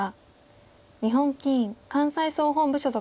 日本棋院関西総本部所属。